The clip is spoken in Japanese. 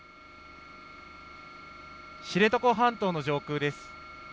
知床半島の上空です。